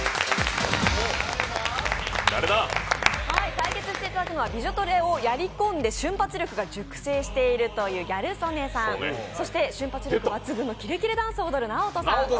対決していただくのは「ビジョトレ！」をやりこんで瞬発力が熟成しているというギャル曽根さんそして瞬発力抜群のキレキレダンスを踊るＮＡＯＴＯさん。